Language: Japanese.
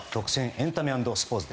エンタメ＆スポーツ。